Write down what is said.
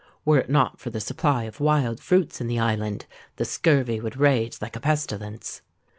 Were it not for the supply of wild fruits in the island, the scurvy would rage like a pestilence.